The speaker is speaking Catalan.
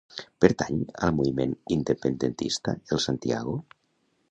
Pertany al moviment independentista el Santiago?